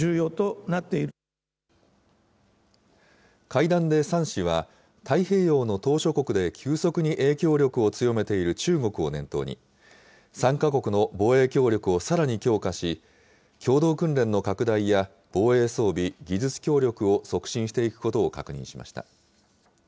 会談で３氏は、太平洋の島しょ国で急速に影響力を強めている中国を念頭に、３か国の防衛協力をさらに強化し、共同訓練の拡大や防衛装備、技術協力を促進していくことを確認しました。